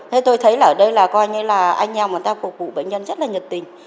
thế tôi thấy là ở đây là coi như là anh em người ta phục vụ bệnh nhân rất là nhiệt tình